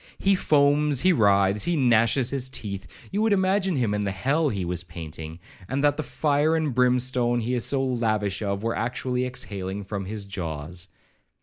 He foams, he writhes, he gnashes his teeth; you would imagine him in the hell he was painting, and that the fire and brimstone he is so lavish of, were actually exhaling from his jaws.